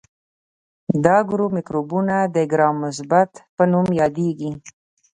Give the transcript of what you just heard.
دا ګروپ مکروبونه د ګرام مثبت په نوم یادیږي.